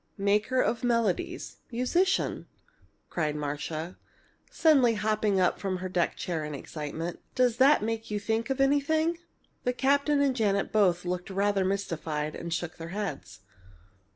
"Maker of melodies musician!" cried Marcia, suddenly hopping up from her deck chair in excitement. "Does that make you think of anything?" The captain and Janet both looked rather mystified and shook their heads.